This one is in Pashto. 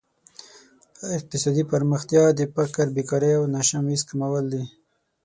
اقتصادي پرمختیا د فقر، بېکارۍ او ناسم ویش کمول دي.